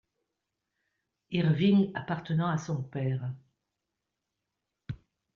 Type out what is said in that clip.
Irving appartenant à son père.